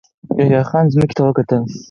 يحيی خان ځمکې ته وکتل.